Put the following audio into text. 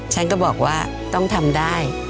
ฉันก็บอกว่าต้องทำได้